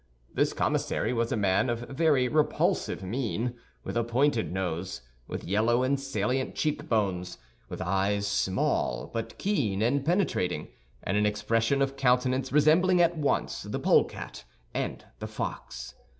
This commissary was a man of very repulsive mien, with a pointed nose, with yellow and salient cheek bones, with eyes small but keen and penetrating, and an expression of countenance resembling at once the polecat and the fox.